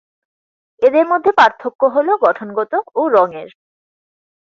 এদের মধ্যে পার্থক্য হল গঠনগত এবং রঙের।